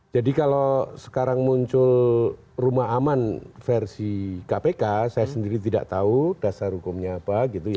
jadi kalau sekarang muncul rumah aman versi kpk saya sendiri tidak tahu dasar hukumnya apa gitu ya